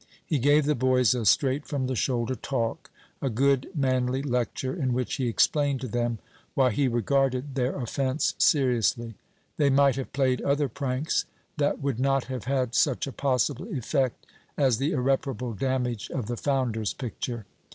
He gave the boys a straight from the shoulder talk a good, manly lecture, in which he explained to them why he regarded their offense seriously. They might have played other pranks that would not have had such a possible effect as the irreparable damage of the founder's picture.